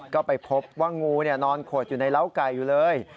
ก็ไปพบว่างูนอนขดอยู่ในเล้าไก่อยู่เลย